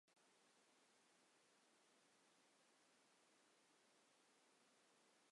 চার মাস এটি স্টেশনের সাথে মিলে থাকবে।